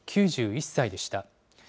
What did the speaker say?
９１歳でした。